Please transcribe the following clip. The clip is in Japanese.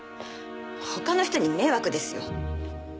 他の人に迷惑ですよ。